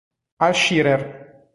Al Shearer